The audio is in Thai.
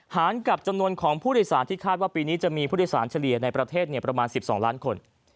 หารกับจำนวนของผู้โดยสารที่คาดว่าปีนี้จะมีผู้โดยสารเฉลี่ยในประเทศประมาณ๑๒ล้านคน